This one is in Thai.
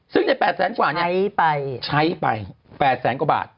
ซึ่งใน๘แสนกว่าใช้ไป๘แสนกว่าบาท